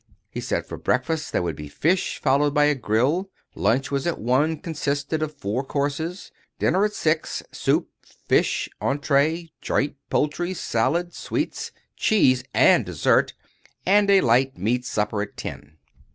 He said for breakfast there would be fish, followed by a grill. Lunch was at one, and consisted of four courses. Dinner at six—soup, fish, entree, joint, poultry, salad, sweets, cheese, and dessert. And a light meat supper at ten.